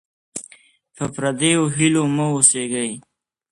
په پردیو هیلو مه اوسېږئ.